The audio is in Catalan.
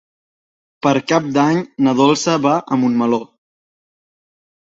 Per Cap d'Any na Dolça va a Montmeló.